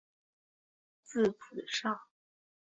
字子上。